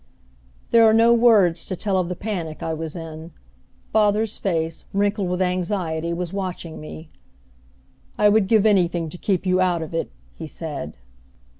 There are no words to tell of the panic I was in. Father's face, wrinkled with anxiety, was watching me. "I would give anything to keep you out of it," he said.